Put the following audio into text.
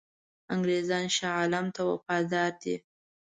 انګرېزان شاه عالم ته وفادار دي.